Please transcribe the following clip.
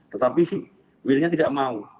tetapi willnya tidak menemukan pacarnya